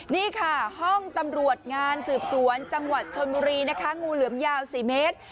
นี่ค่ะห้องตำรวจงานสืบสวนจังหวัดชนบุรีนะคะงูเหลือมยาว๔เมตร